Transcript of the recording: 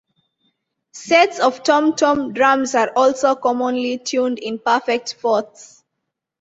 Sets of tom-tom drums are also commonly tuned in perfect fourths.